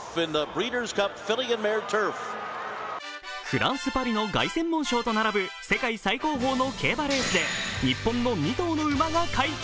フランス・パリの凱旋門賞と並べ世界最大の競馬レースで日本の２頭の馬が快挙。